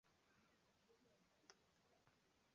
威金斯出生在加拿大多伦多。